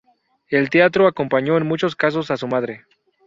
En teatro acompañó en muchos casos a su madre.